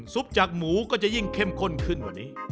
จากหมูก็จะยิ่งเข้มข้นขึ้นกว่านี้